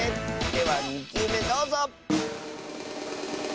では２きゅうめどうぞ！